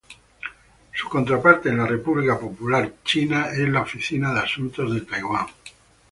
Su contraparte en la República Popular China es la Oficina de Asuntos de Taiwán.